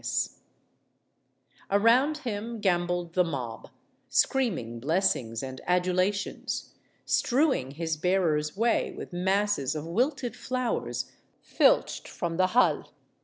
232 STORIES OF THE SUPER WOMEN" Around him gamboled the mob, screaming blessings and adulations, strewing his bearers' way with masses of wilted flowers, niched from the halies.